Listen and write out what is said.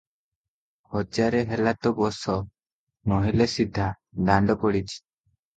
ହଜାରେ ହେଲା ତ ବସ, ନୋହିଲେ, ସିଧା ଦାଣ୍ଡ ପଡ଼ିଛି ।